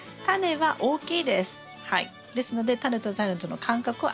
はい。